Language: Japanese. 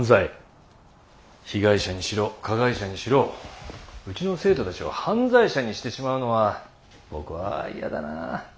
被害者にしろ加害者にしろうちの生徒たちを犯罪者にしてしまうのは僕はやだなあ。